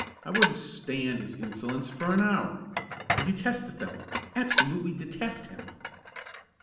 I wouldn't stand his insolence for an hour. I detest the fellow, absolutely detest him!"